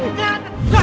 udah gak apa apa